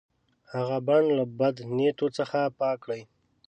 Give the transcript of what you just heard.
هغه بڼ له بد نیتو څخه پاک کړي.